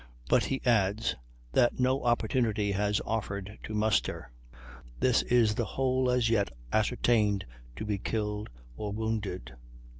But he adds "that no opportunity has offered to muster this is the whole as yet ascertained to be killed or wounded."